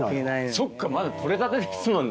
そっかまだ取れたてですもんね。